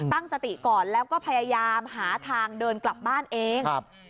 ตั้งสติก่อนแล้วก็พยายามหาทางเดินกลับบ้านเอง